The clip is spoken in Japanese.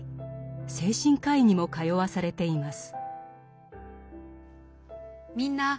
精神科医にも通わされています。